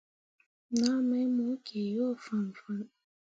Naa mai mo kǝǝ yo fãmfãm.